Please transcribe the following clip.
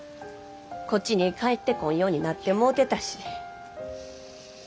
こっちに帰ってこんようになってもうてたし。